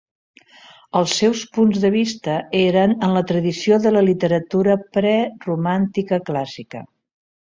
Els seus punts de vista eren en la tradició de la literatura preromàntica clàssica.